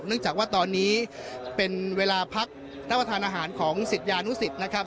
จากว่าตอนนี้เป็นเวลาพักรับประทานอาหารของศิษยานุสิตนะครับ